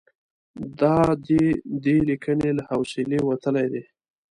دا د دې لیکنې له حوصلې وتلي دي.